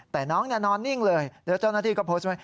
แต่น้องนอนนิ่งเลยเดี๋ยวเจ้าหน้าที่ก็โพสต์ไว้